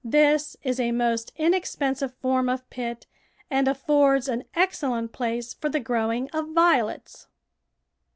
This is a most inexpen sive form of pit and affords an excellent place for the growing of violets.